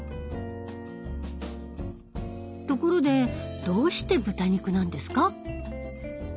ところでどうして豚肉なんですか？